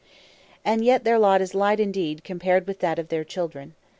And yet their lot is light indeed compared with that of their children.